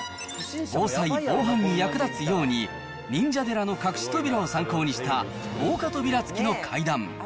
防災・防犯に役立つように、忍者寺の隠し扉を参考にした、防火扉付きの階段。